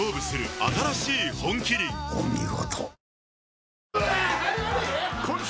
お見事。